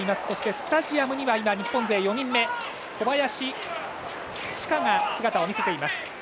そしてスタジアムには日本勢４人目、小林千佳が姿を見せています。